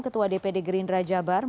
ketua dpd gerindra jawa barat